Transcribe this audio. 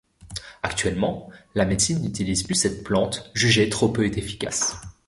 Actuellement, la médecine n'utilise plus cette plante jugée trop peu efficace.